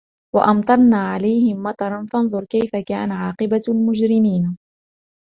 وأمطرنا عليهم مطرا فانظر كيف كان عاقبة المجرمين